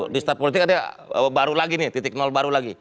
di start politik ada baru lagi nih titik nol baru lagi